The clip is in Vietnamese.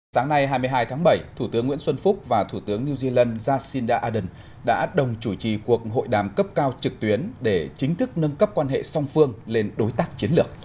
sáng nay hai mươi hai tháng bảy thủ tướng nguyễn xuân phúc và thủ tướng new zealand jacinda ardern đã đồng chủ trì cuộc hội đàm cấp cao trực tuyến để chính thức nâng cấp quan hệ song phương lên đối tác chiến lược